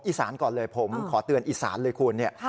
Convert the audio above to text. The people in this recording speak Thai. อิศานก่อนเลยผมขอเตือนอิศานเลยคุณ